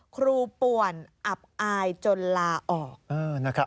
ครูป่วนอับอายจนลาออก